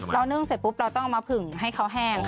นึ่งเสร็จปุ๊บเราต้องเอามาผึ่งให้เขาแห้ง